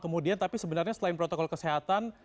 kemudian tapi sebenarnya selain protokol kesehatan